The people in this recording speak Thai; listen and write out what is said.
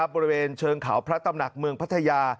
บริเวณเชิงเขาพระตำหนักเมืองพัทยา